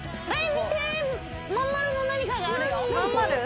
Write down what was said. まん丸の何かがあるよ！